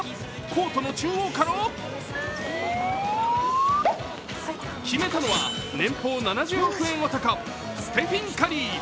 コートの中央から決めたのは年俸７０億円男、ステフィン・カリー。